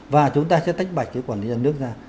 và chúng ta sẽ tách bạch quản lý dân nước ra